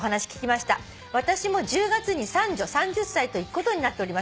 「私も１０月に三女３０歳と行くことになっております」